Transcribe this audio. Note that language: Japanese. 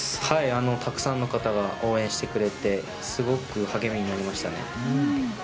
たくさんの方が応援してくれてすごく励みになりましたね。